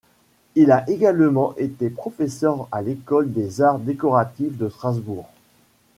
Il a également été professeur à l’École des arts décoratifs de Strasbourg.